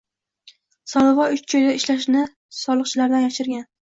Solivoy uch joyda ishlashini soliqchilardan yashirgan